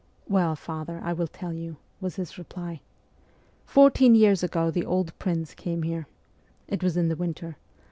' Well, father, I will tell you,' was his reply. * Four teen years ago the old prince came here. It was in the winter.